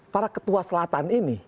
para ketua selatan ini